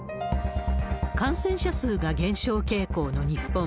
感染者数が減少傾向の日本。